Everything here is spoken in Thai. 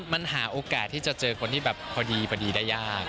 มันหาโอกาสที่จะเจอคนที่แบบพอดีพอดีได้ยาก